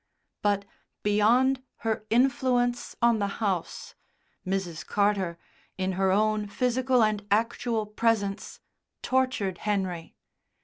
But, beyond her influence on the house, Mrs. Carter, in her own physical and actual presence, tortured Henry.